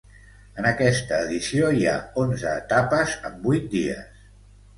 En aquesta edició hi ha onze etapes en vuit dies.